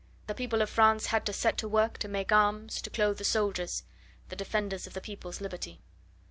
The people of France had to set to work to make arms, to clothe the soldiers, the defenders of the people's liberty.